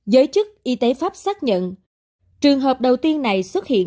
giới chức y tế pháp xác nhận trường hợp đầu tiên này xuất hiện